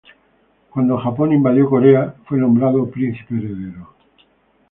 Cuando Japón invadió Corea fue nombrado príncipe heredero.